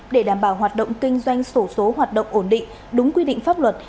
để đảm bảo hoạt động kinh doanh sổ số hoạt động ổn định đúng quy định pháp luật